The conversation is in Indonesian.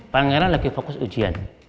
pangeran lagi fokus ujian